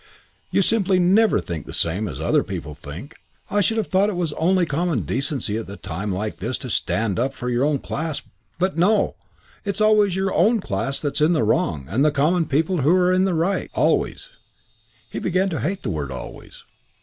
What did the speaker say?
You simply never think the same as other people think. I should have thought it was only common decency at a time like this to stand up for your own class; but, no. It's always your own class that's in the wrong and the common people who are in the right." "Always." He began to hate the word "always."